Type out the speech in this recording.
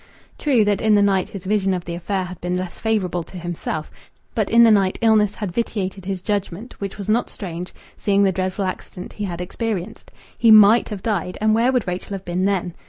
True, that in the night his vision of the affair had been less favourable to himself, but in the night illness had vitiated his judgment, which was not strange, seeing the dreadful accident he had experienced.... He might have died, and where would Rachel have been then?...